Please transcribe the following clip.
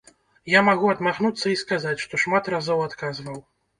Я магу адмахнуцца і сказаць, што шмат разоў адказваў.